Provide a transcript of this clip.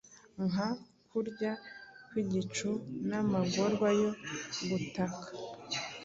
Nka kurya kw'igicu, N'amagorwa yo gutaka,